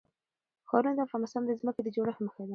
ښارونه د افغانستان د ځمکې د جوړښت نښه ده.